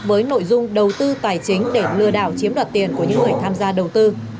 với nội dung đầu tư tài chính để lừa đảo chiếm đoạt tiền của những người tham gia đầu tư